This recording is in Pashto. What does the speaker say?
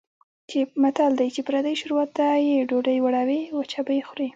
متل دی: چې پردۍ شوروا ته یې ډوډۍ وړوې وچه به یې خورې.